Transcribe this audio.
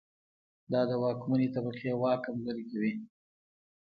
دا د واکمنې طبقې واک کمزوری کوي.